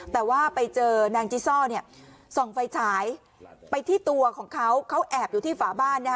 แต่ว่าไปเจอนางจิซ่อส่องไฟฉายไปที่ตัวของเขาเขาแอบอยู่ที่ฝาบ้าน